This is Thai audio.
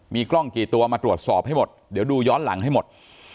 มีกล้องกี่ตัวมาตรวจสอบให้หมดเดี๋ยวดูย้อนหลังให้หมด